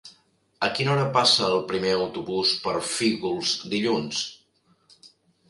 A quina hora passa el primer autobús per Fígols dilluns?